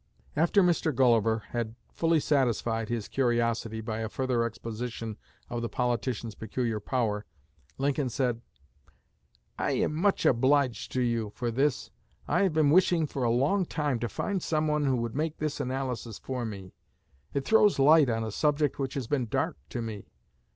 After Mr. Gulliver had fully satisfied his curiosity by a further exposition of the politician's peculiar power, Lincoln said: "I am much obliged to you for this. I have been wishing for a long time to find someone who would make this analysis for me. It throws light on a subject which has been dark to me.